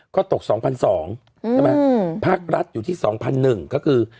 ก็ตก๒๒๐๐บาทภาครัฐอยู่ที่๒๑๐๐บาทก็คือ